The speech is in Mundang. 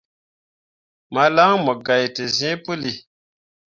Malan mu gai te zĩĩ puli.